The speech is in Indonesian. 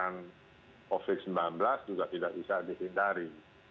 dan covid sembilan belas juga tidak bisa disindari